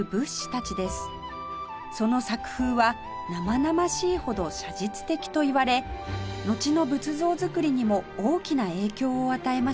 その作風は生々しいほど写実的といわれのちの仏像造りにも大きな影響を与えました